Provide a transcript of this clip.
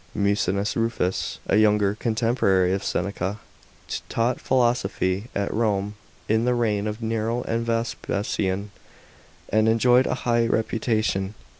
§ 8. MUSONIUS RUFUS, a younger contemporary of Seneca, tau ht philosophy at Rome in the reign of Nero and Vespasian, and enjoyed a high reputation.